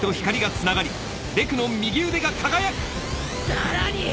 さらに。